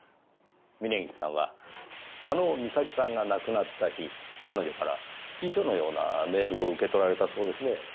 峰岸さんは加納美咲さんが亡くなった日彼女から遺書のようなメールを受け取られたそうですね。